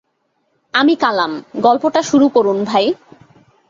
আমি কালাম, গল্পটা শুরু করুন ভাই।